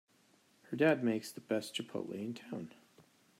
Her dad makes the best chipotle in town!